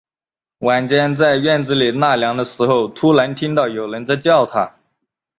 晚间，在院子里纳凉的时候，突然听到有人在叫他